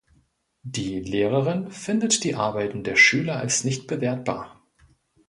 Die Lehrerin findet die Arbeiten der Schüler als nicht bewertbar.